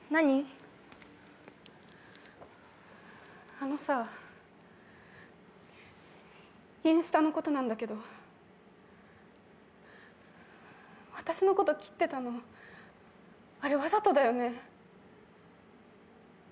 あのさインスタのことなんだけど私のこときってたのあれわざとだよね？